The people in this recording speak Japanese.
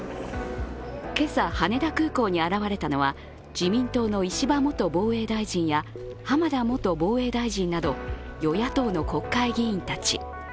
今朝、羽田空港に現れたのは自民党の石破元防衛大臣や浜田元防衛大臣など与野党の国会議員たち。